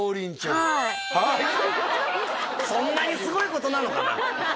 そんなにすごいことなのかな？